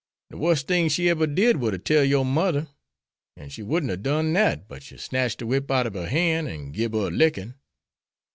De wuss thing she eber did war ta sell your mudder, an' she wouldn't hab done dat but she snatched de whip out ob her han' an gib her a lickin'.